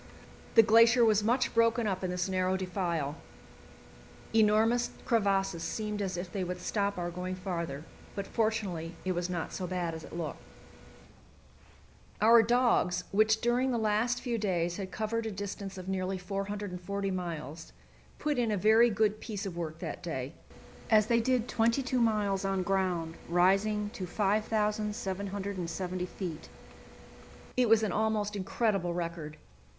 The glacier was much broken up in this narrow defile; enormous crevasses seemed as if they would stop our going farther, but fortunately it was not so bad as it looked. Our dogs, which during the last few days had covered a distance of nearly 440 miles, put in a very good piece of work that day, as they did twenty two miles on ground rising to 5,770 feet. It was an almost incredible record.